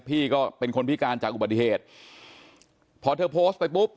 พี่ก็เป็นคนพิการจากอุบัติเหตุพอเธอโพสต์ไปปุ๊บ